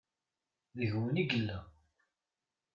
Deg-wen i yella.